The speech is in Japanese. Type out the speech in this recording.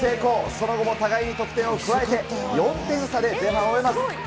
その後も互いに得点を加えて、４点差で前半を終えます。